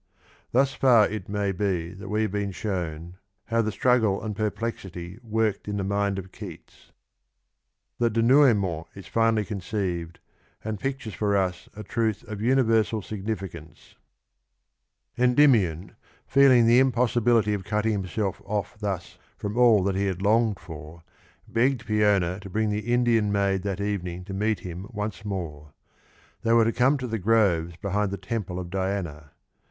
Thus far it may be that we have been shown how the strug gle and pe rplexity worke d in the mind of Keats. The denouement is finely conceived, and pictures for us a truth of universal signiricance Endymion, feeling the impossibility of cutting him self off thus from all that he had longed for, begged Peona to bring the Indian maid that evening to meet him one more; they were to come to the groves behind the temp^ of Diana.